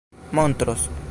montros